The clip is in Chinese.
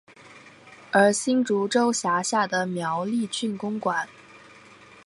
而新竹州辖下的苗栗郡公馆庄亦受波及。